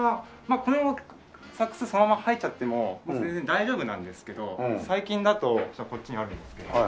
この辺はサックスそのまま入っちゃっても全然大丈夫なんですけど最近だとこっちにあるんですけど。